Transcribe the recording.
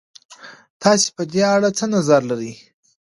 تاسې په دې اړه څه نظر لرئ؟